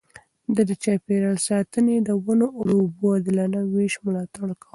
ده د چاپېريال ساتنې، ونو او اوبو د عادلانه وېش ملاتړ کاوه.